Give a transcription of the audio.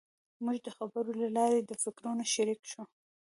موږ د خبرو له لارې د فکرونو شریک شوو.